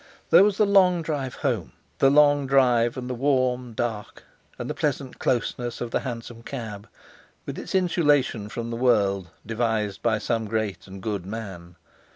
There was the long drive home, the long drive and the warm dark and the pleasant closeness of the hansom cab—with its insulation from the world devised by some great and good man.